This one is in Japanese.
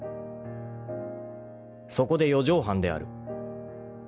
［そこで四畳半である］